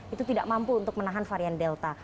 itu tidak mampu untuk menahan varian delta